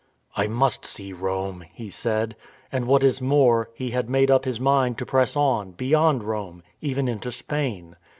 " I must see Rome," he said. And, what is more, he had made up his mind to press on, beyond Rome, even into Spain.